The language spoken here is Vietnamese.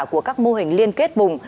của các mô hình liên kết bùng